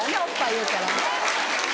言うからね。